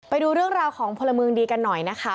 ไปดูเรื่องราวของพลเมืองดีกันหน่อยนะคะ